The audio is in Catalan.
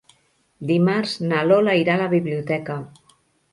Dimarts na Lola irà a la biblioteca.